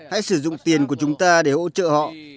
hãy sử dụng tiền của chúng ta để hỗ trợ họ